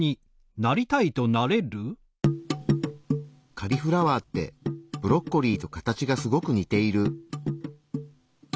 カリフラワーってブロッコリーと形がすごく似ている。